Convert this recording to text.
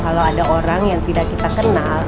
kalau ada orang yang tidak kita kenal